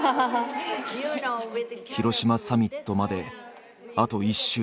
広島サミットまであと１週間。